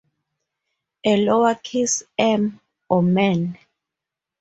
A lowercase m. or man.